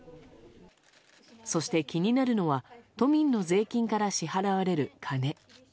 そして、気になるのは都民の税金から支払われる金。